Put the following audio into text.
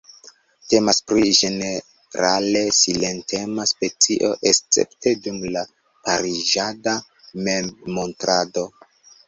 Temas pri ĝenerale silentema specio, escepte dum la pariĝada memmontrado.